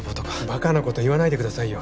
バカなこと言わないでくださいよ。